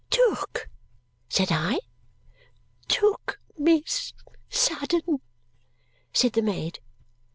"Took?" said I. "Took, miss. Sudden," said the maid.